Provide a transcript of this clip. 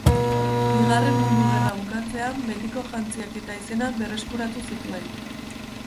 Bigarren Mundu Gerra bukatzean betiko jantziak eta izena berreskuratu zituen.